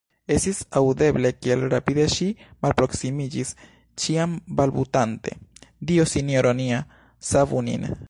Estis aŭdeble, kiel rapide ŝi malproksimiĝis, ĉiam balbutante: Dio Sinjoro nia, savu nin!